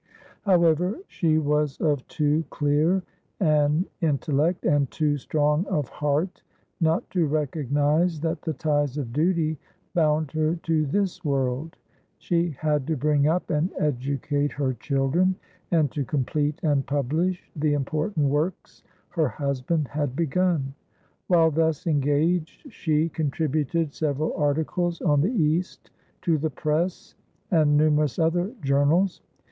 However, she was of too clear an intellect and too strong of heart not to recognize that the ties of duty bound her to this world; she had to bring up and educate her children, and to complete and publish the important works her husband had begun. While thus engaged, she contributed several articles on the East to the Presse and numerous other journals.